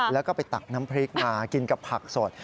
แล้วก็ไปตักน้ำพริกมากินกับผักสด